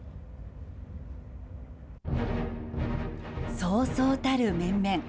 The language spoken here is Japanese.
そうそうたる面々。